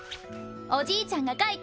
おじいちゃんが描いた。